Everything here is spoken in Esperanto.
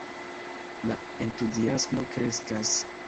La entuziasmo kreskas.